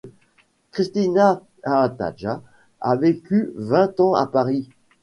Kristina Haataja a vécu vingt ans à Paris.